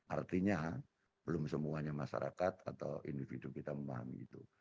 artinya belum semuanya masyarakat atau individu kita memahami itu